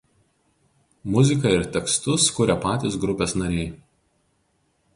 Muziką ir tekstus kuria patys grupės nariai.